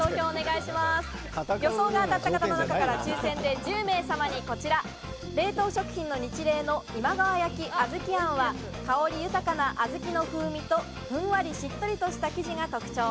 予想が当たった方の中から抽選で１０名様にこちら、冷凍食品のニチレイの今川焼あずきあんは香り豊かなあずきの風味と、ふんわりしっとりとした生地が特徴。